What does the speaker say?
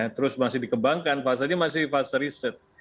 terus masih dikembangkan fase ini masih fase riset